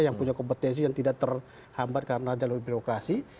yang punya kompetensi yang tidak terhambat karena jalur birokrasi